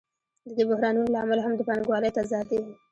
د دې بحرانونو لامل هم د پانګوالۍ تضاد دی